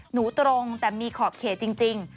ตรงแต่มีขอบเขตจริง